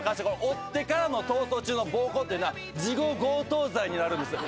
追っ手からの逃走中の暴行っていうのは事後強盗罪になるんですよ。